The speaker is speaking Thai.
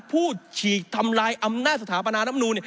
ผู้ฉีดทำร้ายอำนาจสถาปนารัฐมนุน